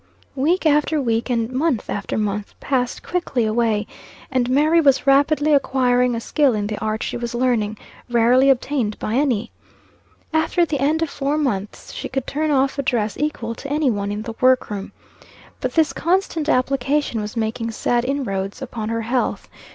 Week after week, and month after month, passed quickly away, and Mary was rapidly acquiring a skill in the art she was learning, rarely obtained by any. After the end of four months, she could turn off a dress equal to any one in the work room. But this constant application was making sad inroads upon her health.